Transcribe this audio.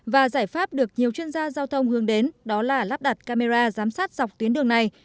và giải pháp được nhiều chuyên gia giao thông hướng đến đó là lắp đặt camera giám sát dọc tuyến đường này